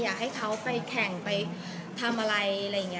อยากให้เขาไปแข่งไปทำอะไร